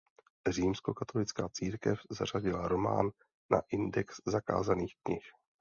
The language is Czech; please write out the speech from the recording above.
Římskokatolická církev zařadila román na Index zakázaných knih.